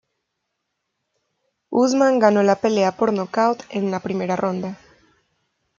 Usman ganó la pelea por nocaut en la primera ronda.